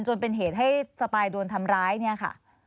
จนเป็นเหตุให้สปายโดนทำร้ายเนี่ยค่ะ